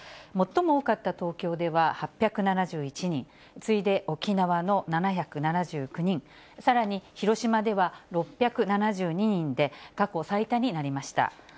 最も多かった東京では８７１人、次いで沖縄の７７９人、さらに広島では６７２人で、過去最多になりました。